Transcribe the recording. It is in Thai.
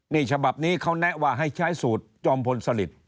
นี่ฉบับนี้เขาแนะว่าให้ใช้สูตรจอมพลสลิต